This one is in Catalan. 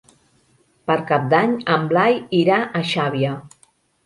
Per Cap d'Any en Blai irà a Xàbia.